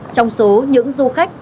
trong số những du khách